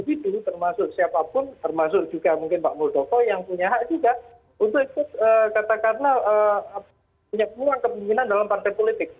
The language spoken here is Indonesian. itu termasuk siapapun termasuk juga mungkin pak muldoko yang punya hak juga untuk ikut katakanlah punya peluang kepemimpinan dalam partai politik